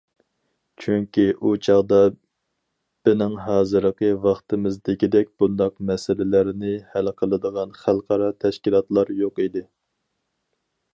چۈنكى، ئۇ چاغدا بىنىڭ ھازىرقى ۋاقتىمىزدىكىدەك بۇنداق مەسىلىلەرنى ھەل قىلىدىغان خەلقئارا تەشكىلاتلار يوق ئىدى.